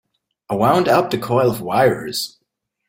I wound up the coil of wires.